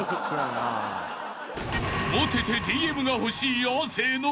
［モテてＤＭが欲しい亜生の］